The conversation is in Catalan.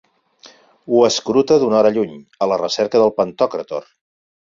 Ho escruta d'una hora lluny, a la recerca del Pantòcrator.